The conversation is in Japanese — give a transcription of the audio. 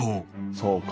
「そうか。